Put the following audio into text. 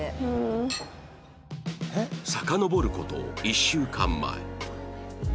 さかのぼる事１週間前